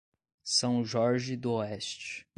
São Jorge d'Oeste